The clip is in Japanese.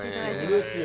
うれしい。